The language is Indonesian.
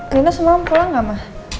nina semalam pulang gak mah